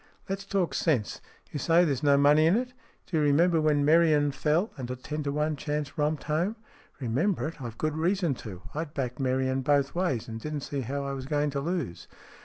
" Let's talk sense. You say there's no money in it ? Do you remember when Merion fell, and a ten to one chance romped home ?" "Remember it? I've good reason to. I'd backed Merion both ways, and didn't see how I was going to lose."